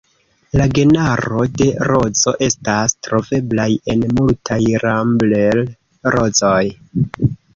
La genaro de rozo estas troveblaj en multaj Rambler-rozoj.